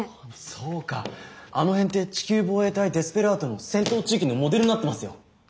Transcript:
そうかあの辺って「地球防衛隊デスペラード」の戦闘地域のモデルになってますよ。